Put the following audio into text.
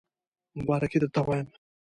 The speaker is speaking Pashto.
مبارکی درته وایم